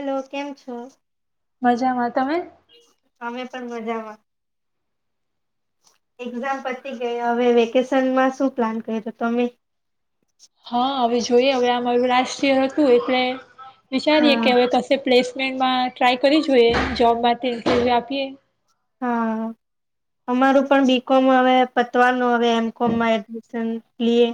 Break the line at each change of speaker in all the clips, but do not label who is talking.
Hello, કેમ છો?
મજામાં તમે?
અમે પણ મજામાં. એક્ઝામ પતી ગઈ હવે વેકેશનમાં શું પ્લાન કર્યો તમે?
હા હવે જોઈએ હવે આમારું રાષ્ટ્ર હતું એટલે વિચારીએ
હા
કે હવે કશે પ્લેસ માં ટ્રાઇ કરી જોઈએ જોબ માટે આપીએ.
હા, અમારું પણ બી કોમ હવે પતવાનું હવે એમ કોમમાં એડમિશન લઈએ.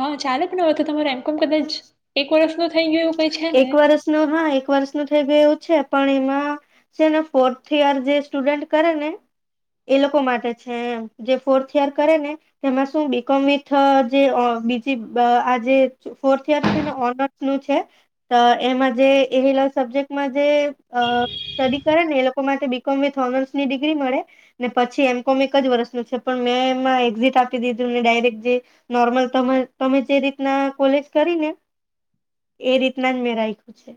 હા ચાલે પણ હો તો તમારે એમ કોમ કદાચ એક વર્ષનો થઈ ગયું. કઈ છે ને
એક વર્ષ ન હા એક વર્ષ ન થઈ એવું છે. પણ એમાં છે ને ફોર્થ યર જે સ્ટુડન્ટ કરે ને, એ લોકો માટે છે જે ફોર્થ યર કરે ને એમાં શું બીકોમ વિથ જે બીજી આ જે ફોર્થ યર છે ને ઓનર્સ નું છે. તો એમાં જે એ સબ્જેક્ટમાં જે સ્ટડી કરે ને એ લોકો માટે બી કોમ વિથ ઓનર્સની ડિગ્રી મળે, ને પછી એમ કોમ એક જ વર્ષનું છે પણ મેં એમાં એક્ઝિટ આપી દીધું ને ડાયરેક્ટ જે નોર્મલ તમે જે રીતના કોલેજ કરી ને, એ રીત ના જ મે રાખ્યું છે.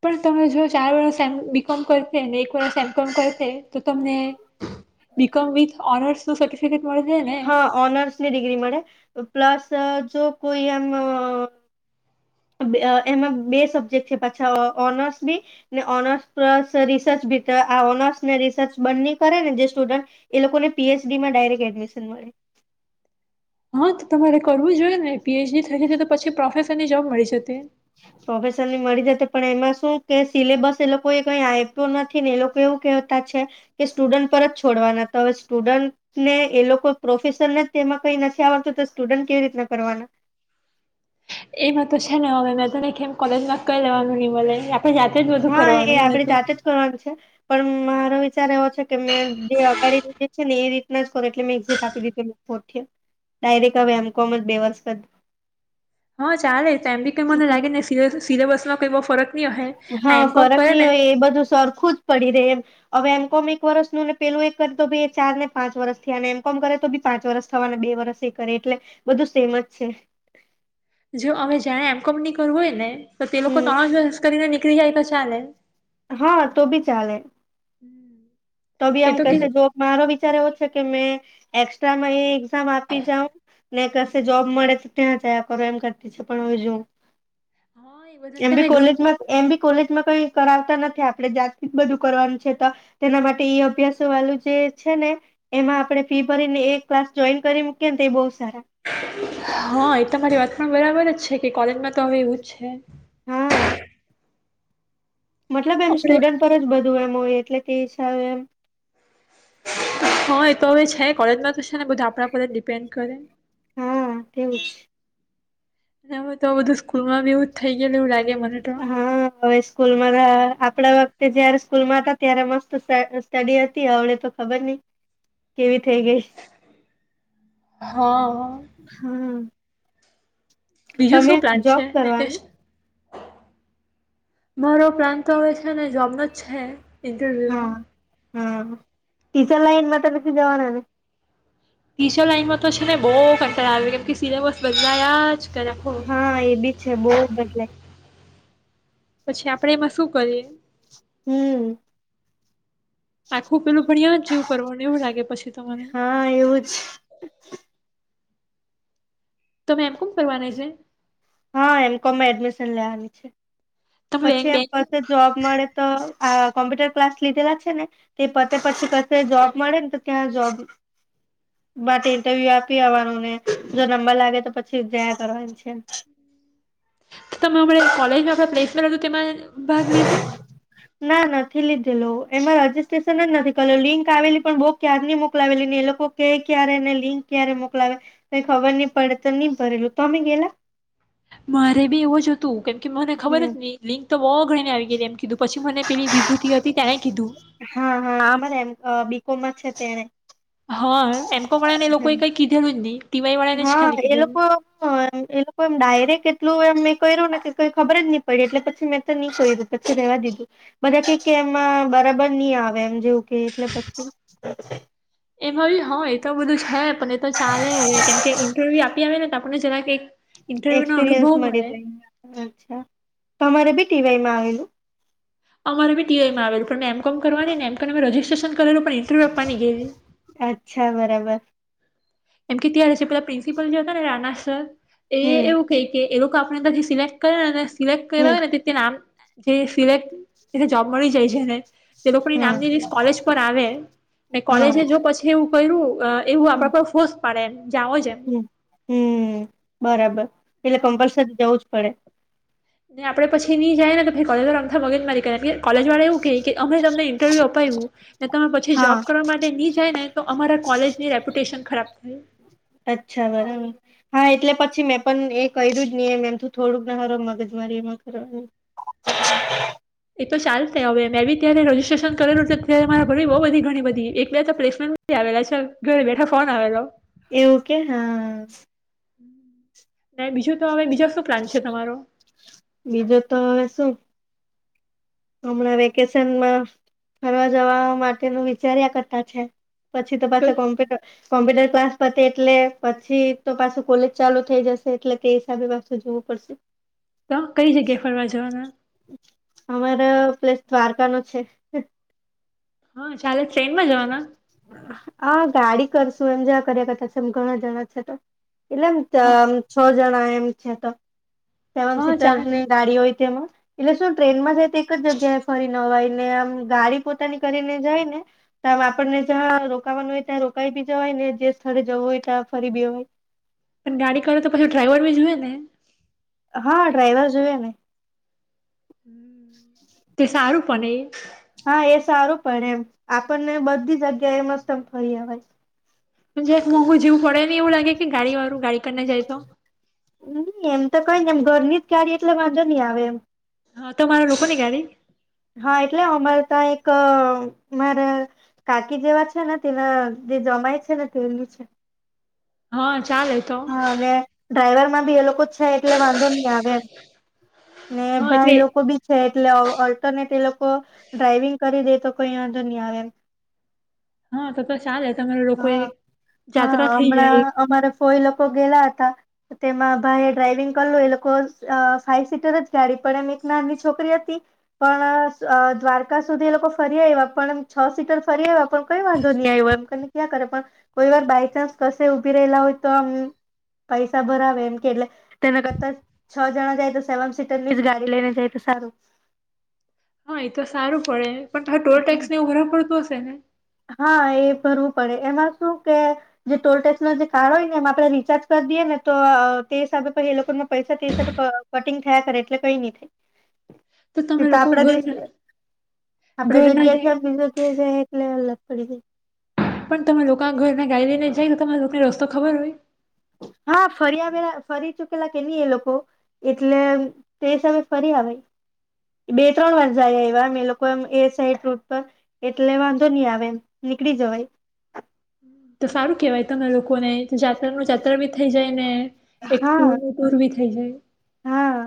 પણ તમે જો ચાર વર્સ એ બી કોમ કરશે ને એક વર્સ એમ કોમ કરશે. તો તમને બી કોમ વિથ ઓનર્સ નો સર્ટિફિકેટ મળશે ને
હા ઓનર્સની ડિગ્રી મળે. પ્લસ જો કોઈ એમ એમાં બે સબ્જેક્ટ છે પાછા ઓનર્સ બી, ને ઓનર્સ પ્લસ રિસર્ચ બી આ ઓનર્સ ને રિસર્ચ બન્ની કરે ને જે સ્ટુડન્ટ, એ લોકોને પી એચ ડીમાં ડાયરેક્ટ એડમિશન મળે.
હા તો તમારે કરવું જોઈએ ને પી એચ ડી થઈ જશે તો પછી પ્રોફેસર ની જોબ મળી જતે.
પ્રોફેસરની મળી જતી પણ એમાં શું કે સિલેબસ એ લોકોએ કઈ આપ્યો નથી ને એ લોકો એવું કહેતા છે, કે સ્ટુડન્ટ પરત છોડવાના તો હવે સ્ટુડન્ટને એ લોકો પ્રોફેસરને તેમાં કઈ નથી આવડતું તો સ્ટુડન્ટ કેવી રીતના કરવાના.
ત એમ કોલેજમાં કઈ લેવાનું નહી મળે એ
હા એ આપડે જાતે જ કરવાની છે. પણ મારો વિચાર એવો છે કે મેં જે અગડી જે છે ને એ રીતના જ કરું એટલે મેં એક્ઝિટ આપી દીધી ફોર્થ યર, ડાયરેક્ટ હવે એમ કહમ બે વર્ષ.
હા ચાલે તો એમ બી કઈ મને
કરી
લાગેને સિલેબસમાં કઈ બ ફરક નહી હે આ
હા
એમ કોમ
ફરક
કરે
નહી
ને
હોય એ બધું સરખું જ. પડી દે એમ, હવે એમ કોમ એક વર્ષનુંને પેલું એ કરે તો ભી ચાર ને પાંચ વર્ષથીને એમ કોમ કરે તો ભી પાંચ વરષ થવાને બે વરષ એ કરે એટલે, બધું સેમ જ છે.
જો હવે જારે એમ કંપની કરવું હોય ને તો તે લોકો
હમ
ત કરીને કળી જાય તો ચાલે.
હા તો ભી ચાલે.
[unintelligible]
તો બી
એ
આમ
કે
કશે જો મારો વિચાર એવો છે કે મેં એસ્ટ્રામાં એક્ઝામ આપી જાઉ, ને કશે જોબ મળે તો ત્યાં જયા કરો એમ કરતી છે પણ હવે જોઉં.
હા એ બધા
એમ
છે
બી
ને
કોલેજમાં એમ બી કોલેજ કઈ કરાવતા નથી આપણેે જાત જ બધું કરવાનું છે તો, તેના માટે એ અભ્યાસો વાળું જે છે ને, એમાં આપડે ફી ભરીને એ ક્લાસ જોઈન કરી મૂકીએ ને એ બ
હા એ તમારી વાત પણ બરાબર જ છે. કે કલેજમાં તો હવે એવુ જ છે.
હા મતલબ એમ
આપણે
સ્ટુડન્ટ પર જ બધું એમ. હોય એટલે તે સાબ એમ.
હા એ તો હવે છે કોલેજમાં તોશે ને બધું આપણા પર જ ડિપેન્ડ કરે.
હા તેવુંજ.
માં તો બધું સ્કૂલમાં બ એવ જ થઈ ગયું એવું લાગે. મને તો
હા હવે સ્કૂલમાં આપડા જયારે સ્કૂલ માં હતા ત્યારે મસ્ત સ્ટડી હતી હડે તો ખબર નહિ, કેવી થઈ ગઈ.
હા
હમ.
બીજું
તમે
શું પ્લાન
જોબ
છે
કરવાના?
વેકેશન મારો પ્રાંત તો હવે છે ને જોબનો જ છે. ઇન્ટરવીયુનો.
હમ ટીચર લાઈનમાં તો નથી જવાના ને?
ટીચર લાઈનમાં તો છે ને બહુ કંટાળો આવે કેમ કે સિલેમસ બધા
હા એ બી છે, બહ જ બદલાય.
પછી આપણેે એમાં શું કરીએ.
હમ.
આખું પેલું ભણ્યા જ જેવું કરવાનું એવું લાગે પછી તો મને.
હા એવું જ
તમે એમ કોમ કરવાના છે?
હા એમ કોમમાં એડમિશન લેવાની છે.
તમે બેંક
પછી એમ પાસે
બેંક
જોબ મળે તો. આ કોમ્પ્યુટર ક્લાસ લીધેલા છે ને, તે પછી જોબ મળે ને તો ત્યાં જોબ માટે ઈન્ટરવ્યુ આપી આવવાનું ને, જો નંબર લાગે તો પછી જયા કરવાનું છે.
તો તમે અણા કોલેજમાં આપણા પ્લેસમેન્ટ હતું તે
ના ના. નથી લીધેલો. લો એમાં રજિસ્ટ્રેશન જ નથી કર લિંક આવેલી પણ બુક કાર નહી મોકલાવેલી ને એ લોકો કે ક્યારેને લિંક ક્યારે મોકલાવે, ક ખબર નહી પડે તો નહી ભરેલું તોમે ગેલા?
મારે બી એવું જ હતું કેમ કે મને ખબર
હમ
જ ન લિક તો બહુ ઘણી આવી. એમ કીધું પછી મને પેલી વિભૂતિ હતી તેણે કીધું.
હા હા આ મને એમ બીકોમમાં છે તેને.
હા એમ. પને લોકોએ
હમ
કઈ કીધેલુ જ ની.
હા એ લોકો એ લોકો એમ ડાયરેક્ટ એટલું એમ મેં ક્યું ને કેઈ ખબર જ નહી પડી એટલે પછી મેં તો નહી ક્યું પછી રેવા દીધું, બધા ક એમાં બરાબર નહી આવે એમ. જેવું કે એટલે પછી. હા [inaudible]
એમાંભી હ એ તો બધું છે પણ એ તો ચાલે અવે. કેમ કે ઇન્ટરવ્યુ આપી આવે ને અને જરાક એક ઇન્ટરવ્યુ નો
એક્સપિરિયન્સ
અનુભવ
મળી
મળે
જાય અચ્છા. તમારે ભી ટીવાય માં આવેલું?
અમારે બી ટીવાય આવેલું પણ એમ કોમ કરવાની મ કે તમે રજિસ્ટ્રેશન એ લોકો ઇન્ટરવ્ય આપની ગેલી.
અચ્છા બરાબર
એમ કે ત્યારે હશે પેલા પ્રિન્સિપલ જે હતા ને રાના સર. એ
હમ
એવું કઈ કે એનો. આપણે તથી સિલેક્ટ કરે અને સિલેક્ટ કરે
હમ
અને તીત્યે નામ. જે સિલેક્ટ તેને જોબ મળી જાય છે ને, તે લોકોની
હા
નામની કોલેજ પર આવે કોલેજ
હા
જો પછી એવું બું [unintelligible] એવું આપણા પર પારેલ
હ હમ બરાબર એટલે
હા
કમ્પલસરી જવું જ પડે
ને આપડે પછી ની જાય ને કોલેજ વારા અમથા મગજમારી કરે ની કોલેજવાળા એવું કય કે અમે તમને ઇન્ટરવ્યૂ અપાવું ને તમે પછી
હા
જોબ કરવા માટે ની જાય ને તો અમારા કોલેજની રેપ્યુટેશન ખરાબ કયુ
અચ્છા બરાબર હા એટલે પછી મેં પણ એ કર્યું જ નહી એમ એમ થોડુંક ના હારૂ મગજ મારી એમાં કરવાની
એ તો ચાલ તે હવે મેં બી ત્યારે રજજીસ્ટ્રેશન કરેલું ત્યારે મારા ભર બહ બધી ઘણી બધી એક બે પ્લેસમેન્ટ આવેલા છે ઘરે બેઠા ફોન આવેલો
એવું કે હા.
ને બીજું તો હવે બીજા
બીજો તો હવે શું હમણાં વેકેશનમાં ફરવા જવા માટેનું વિચાર્યા કરતા છે પછી તો પાછા કોમ્પ્યુટર કોમ્પ્યુટર ક્લાસ પતે એટલે પછી તો પાછું કોલેજ ચાલુ થઈ જશે એટલે કે હિસાબે પાછું જોવું પડશે
તો કઈ જગ્યાએ ફરવા જવાના.
તમારા પ્લેસ દ્વારકા નો છે.
હા ચાલે ટ્રેનમાં જવાના.
હ ગાડી કરશું એમ જેવા કર્યા કરતા છે એમ ઘણા જણા છે તો. એટલે એમ
હા
છ જણાએ છે તો. સેવન
હા
સીટર
ચાલે
ની ગાડી હોય તેમાં. એટલે શું ટ્રેનમાં જાય તો એક જ જગ્યાએ ફરી ને અવાય ને આમ ગાડી પોતાની કરીને જાય ને તો આમ આપણને. જ્યાં રોકાવાનું હોય ત્યાં રોકાઈ બી જવાય ને જે સ્થળે જવું હોય ત્યાં ફરી બી જવાય.
પણ ગાડી કાઢો તો પછી ડ્રાઈવર બી જોય ને
હા ડ્રાઈવર જોઈ ને
તે સારું પણ એ
હા એ સારું પડે એમ આપણને બધી જગ્યા એ મસ્ત ફરી અવ્યા
પણ જરાક મોઘુ જવું પડે ની એવું લાગે ગાડી વાળું ગાડી કરને જાય તો
હમ એમ તો કઈ ને એમ ઘરની જ ગાડી એટલે વાંધો નહી આવે એમ
હા તમારા લોકોની ગાડી
હા એટલે અમારે ત્યાં એક મારા કાકી જેવા છે ને તેના જે જમાય છે ને તેની છે
હા ચાલે તો
હા ને ડ્રાઈવર બી એ લોકો છે એટલે વાંધો નહી આવે એ ને
હા એટલે
ભાઈ લોકો બી છે એટલે ઓલ્ટરનેટ એ લોકો ડ્રાાઈવિંગ કરી દે તો કોઈ વાંધો ની આવે
હા, તો-તો સારું તમારે લોકો
હા
એક જાત્રા થઈ જાય એ.
ગયેલા હતા, તો તેમાં ભાઈ ડ્રાઈવિંગ કર લો એ લોકો સ અહ ફાઈવ સીટર જ ગાડી પણ એમ એક નાની છોકરી હતી, પણ અહ દ્વારકા સુધી એ લોકો ફરી આયવા પણ એમ છ સીટર ફરી આયવા પણ કઈ વાંધો નહીં આયો એમ, કને ક્યાં કરે પણ કોઈ વાર બાય ચાન્સ કશે ઉભી રહેલા હો તો આમ પૈસા ભરાવે એમ કે એટલે તેના કરતા છ જણા જાય તો સેવન સીટરની જ ગાડી લઈને જાય તો સારું.
હા એ તો સારું પડે. પણ તા ટોલ ટેક્સ ને એવું બધું વધારે પડતું હશ શેને?
હા એ ભરવું પડે. એમાં શું કે જે ટોલટેક્સ નો જે કાર્ડ હોય ને એમા આપણે રીચાર્જ કર દીએ ને તો તે હિસાબે પછી એ લોકો પૈસા તે હિસાબે કટિંગ થયા કરે એટલે કંઈ નહી થાય.
તમે
એ તો
લોકો
આપડા
ઘર
દેશ આપડા
ઘર ના
જગ્યા એથી
જાય
આમ બીજી જગ્યાએ જાય એટલે અલગ [unintelligible]
પણ તમે લોકા ઘરના ગાડી લઈને જાય તો તમાર લોકોને રસ્તો ખબર હોય?
હા. ફરી આવેલા, ફરી ચૂકેલા કે ની એ લોકો એટલે તે સામે ફરી આવે, બે ત્રણ વાર જાય આયવા અમે લોકો એમ એ સાઈડ રૂટ પર, એટલે વાંધો નહીં આવે એમ, નીકળી જવાય.
તો સારું કેવાય તમે લોકોને જાત્રા નું જાત્રા ભી થઇ જાય, અને એક
હા
ટુર નું ટુર ભી થઈ જાય.
હા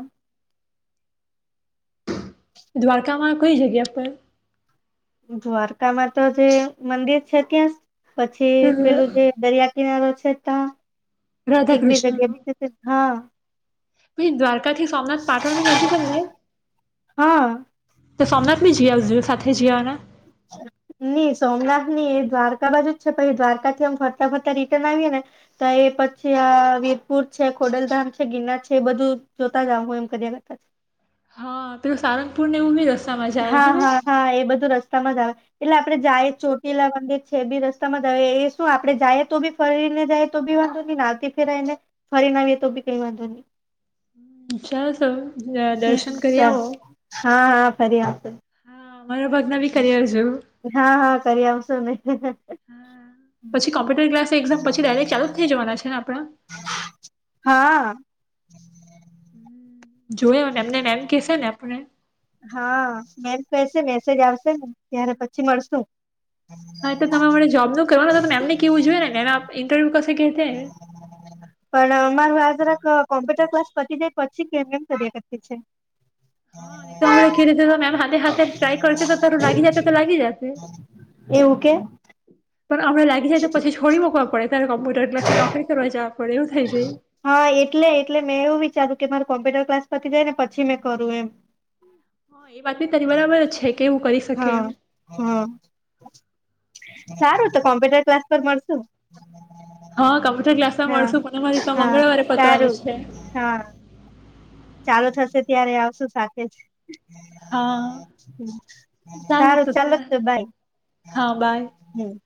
દ્વારકા માં કઈ જગ્યા પર
દ્વારકામાં તો જે મંદિર છે ત્યાં. પછી પેલું જે દરિયા કિનારો છે તા
રાધા કૃષ્ણ
હા.
પહી દ્વારકા થી સોમનાથ પાટણ ભી નજીક જ ને.
હા
તો સોમનાથ બી જયા આવજે સાથે જયાના.
ની સોમનાથ ની એ દ્વારકા બાજુ જ છે પછી દ્વારકા થીમ ફરતા ફરતા રિટર્ન આવીએ ને તો એ પછી આહ વીરપુર છે ખોડલધામ છે ગિરનાર છે એ બધું જોતા જાવ હું એમ કરી્યા કરતા.
હા, તો સારંગપૂર ને ઉમી જશ
હા હા હા એ બધું રસ્તામાં જ આવે. એટલે આપડે જાએ ચોટીલા મંદિર છે બી રસ્તામાં જ એ શું આપડે જાએ તો બી ફરીને જાય તો બી વાંધો નઈ આવતી ફેરાવીને ફરીને આવીએ તો બી કઈ વાંધો નહી.
ચાલ સર યા
હમ
દર્શન કરી
સર
આવો.
હા હા ફરી આશે.
હા. મારા ભાગના બી કરી આવજો
હા હા કરી આવશો ને.
તો એક્ઝામ પછી ડાયરેક ચાલુજ થઈ જવાના છે ના?
હા. હા.
હમ્મ. જોયોને એમનેને એમ કેસે ને આપણે.
હા, મેમ કશે મેસેજ આવશે ને. ત્યારે પછી મળશુ.
હા તો તમે હમણાં જોબનું કરવાનું તો મેમને કેવું જોઈએ ને મેમ ઇન્ટરવ્યુ કશે કહેતે
પણ અમાર વાત જરાક અહ કોમ્પ્યુટર ક્લાસ પતી જાય પછી કેમ નેમ કર્યા કરતી છે. હા.
તોમણે ખીલી તો મેમ હાથે હાથે ટ્રાય કરતી તો તારું લાગી જશે તો લાગી જશે.
એવું કે
પણ આપણે લાગીય તો પછી છોડી મકવા પડે. ત્યારે કોમ્પ્યુટર ક્લાસે નોકરી કરવા જાવ.
હા એટલે એટલે મેં એવું વિચારું. કે મારે કોમ્પ્યુટર ક્લાસ પરથી જાય ને પછી મેં કરું એમ.
હા એ વાત બી તરી બરાબર છે કેવું કરી શકે
હા
એ.
હા સારું તો કોમ્પ્યુટર ક્લાસ પર મળશું.
હા કમપ્યુટર ક્લાસ
હા
મળશું પણ માંરી તો
હા
મંગળવારે પતવાની
સારું
છે.
હા ચાલુ થશે ત્યારે આવશુ સાથે જ.
હા
સારું ચાલ તો બાય
હા બાય
હમ. હમ [inaudible]